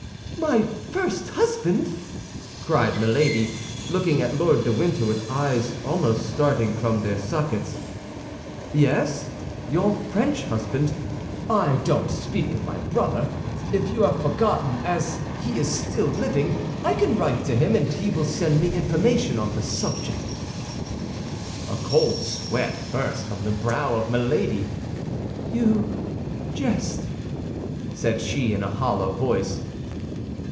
"My first husband!" cried Milady, looking at Lord de Winter with eyes almost starting from their sockets. "Yes, your French husband. I don't speak of my brother. If you have forgotten, as he is still living, I can write to him and he will send me information on the subject." A cold sweat burst from the brow of Milady. "You jest!" said she, in a hollow voice.